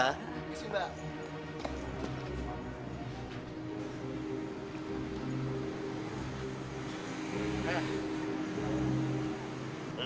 terima kasih mbak